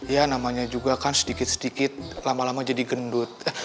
ya namanya juga kan sedikit sedikit lama lama jadi gendut